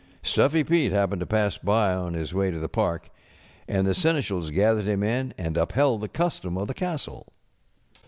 StufiTy Pete happened to pass by on his way to the park, and the seneschals gathered him in and upheld the custom of the castle.